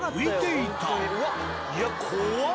いや怖っ！